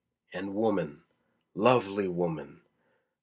And woman, lovely woman!